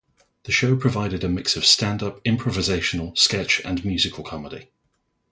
The show provided a mix of stand-up, improvisational, sketch and musical comedy.